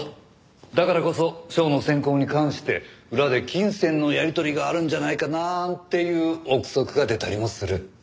だからこそ賞の選考に関して裏で金銭のやり取りがあるんじゃないかなんていう臆測が出たりもする。